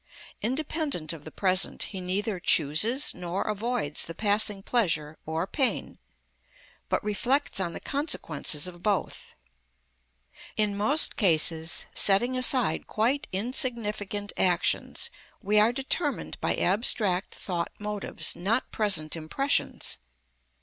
Independent of the present, he neither chooses nor avoids the passing pleasure or pain, but reflects on the consequences of both. In most cases, setting aside quite insignificant actions, we are determined by abstract, thought motives, not present impressions.